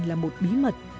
là một bí mật